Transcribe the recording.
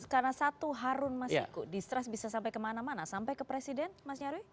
karena satu harun masiko distrust bisa sampai kemana mana sampai ke presiden mas nyarwi